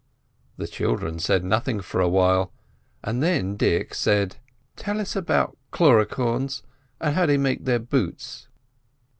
The children said nothing for a while, and then Dick said: "Tell us about Cluricaunes, and how they make the boots."